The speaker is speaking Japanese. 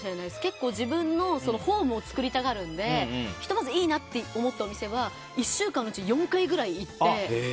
結構、自分のホームを作りたがるのでひとまずいいなと思ったお店は１週間のうちに４回ぐらい行って。